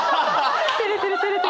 てれてるてれてる。